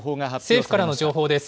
政府からの情報です。